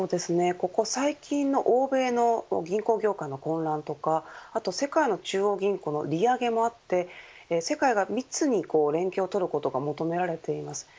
ここ最近の欧米の銀行業界の混乱とか世界の中央銀行の利上げもあって世界が密に連携をとることを求められています。